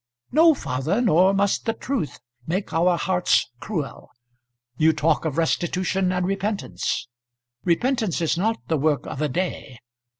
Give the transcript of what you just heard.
"No, father; nor must the truth make our hearts cruel. You talk of restitution and repentance. Repentance is not the work of a day.